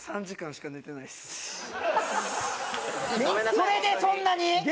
それでそんなに？